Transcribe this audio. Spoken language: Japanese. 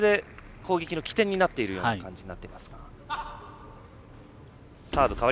攻撃の起点になっているような感じがあります。